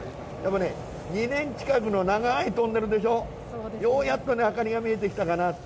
２年近くの長いトンネルでしょ、ようやっと明かりが見えてきたかなと。